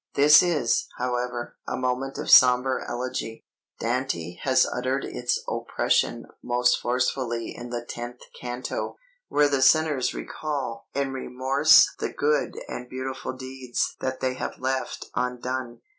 This is, however, a moment of sombre elegy. Dante has uttered its oppression most forcefully in the tenth canto, where the sinners recall in remorse the good and beautiful deeds that they have left undone.